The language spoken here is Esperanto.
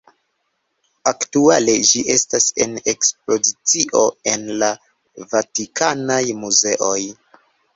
Aktuale ĝi estas en ekspozicio en la Vatikanaj muzeoj.